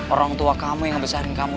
orang tua kamu yang ngebesarin kamu